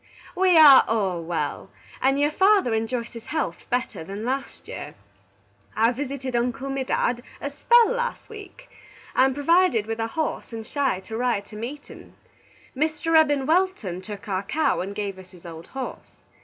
"We are all well, and your father enjoys his helth better than last year. I visited Uncle Medad a spell last week. I am provided with a horse and shay to ride to meatin. Mr. Eben Welton took our cow and give us his old horse.